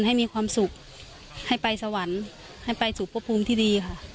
ให้มีความสุขให้ไปสวรรค์ให้ไปสู่พระภูมิที่ดีค่ะ